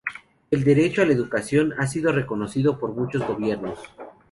El derecho a la educación ha sido reconocido por muchos gobiernos.